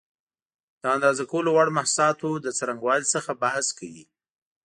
د اندازه کولو وړ محسوساتو له څرنګوالي څخه بحث کوي.